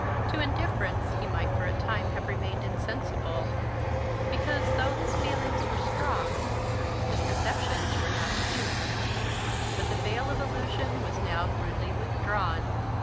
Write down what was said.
To indifference he might for a time have remained insensible; because, though his feelings were strong, his perceptions were not acute. But the veil of illusion was now rudely withdrawn.